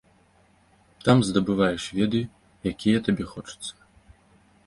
Там здабываеш веды, якія табе хочацца.